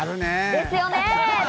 ですよね。